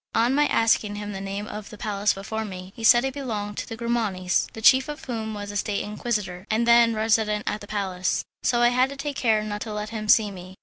On my asking him the name of a palace before me, he said it belonged to the Grimanis, the chief of whom was a State Inquisitor, and then resident at the palace, so I had to take care not to let him see me.